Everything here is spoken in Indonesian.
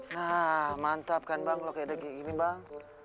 nah mantap kan bang kalau kayak gini bang